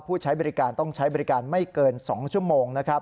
ผู้ใช้บริการต้องใช้บริการไม่เกิน๒ชั่วโมง